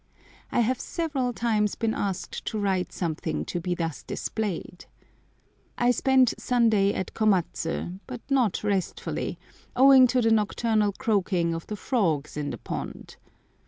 I have several times been asked to write something to be thus displayed. I spent Sunday at Komatsu, but not restfully, owing to the nocturnal croaking of the frogs in the pond.